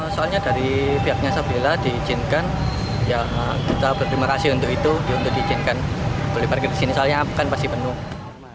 soalnya dari pihaknya sabilillah diizinkan kita berpimerasi untuk itu untuk diizinkan boleh parkir di sini soalnya akan pasti penuh